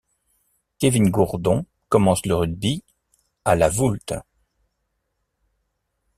Kevin Gourdon commence le rugby à La Voulte.